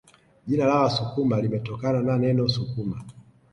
Jina la Wasukuma limetokana na neno sukuma